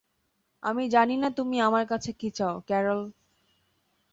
আমি জানি না তুমি আমার কাছে কি চাও, ক্যারল।